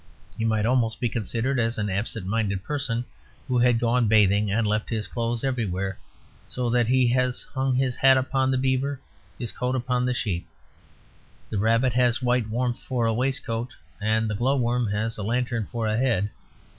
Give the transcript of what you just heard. He might almost be considered as an absent minded person who had gone bathing and left his clothes everywhere, so that he has hung his hat upon the beaver and his coat upon the sheep. The rabbit has white warmth for a waistcoat, and the glow worm has a lantern for a head.